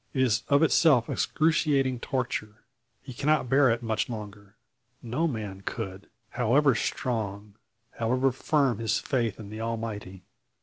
It is of itself excruciating torture. He cannot bear it much longer. No man could, however strong, however firm his faith in the Almighty.